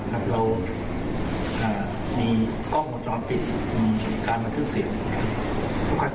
เรามีกล้องหัวจร้อนปิดมีการบันทึกเสียทุกขั้นต่อ